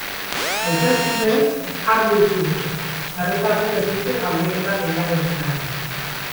Hauteskundeek argi utzi dute, herritarrek ez dute galdeketa gehiagorik nahi.